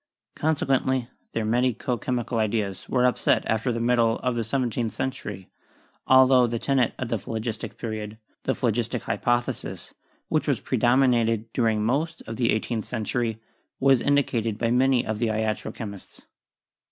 Conse quently, their medico chemical ideas were upset after the middle of the seventeenth century, altho the tenet of the Phlogistic Period — the phlogistic hypothesis, which predominated during most of the eighteenth century — was indicated by many of the iatro chemists.